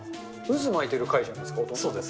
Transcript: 渦巻いてる貝じゃないですか、そうです。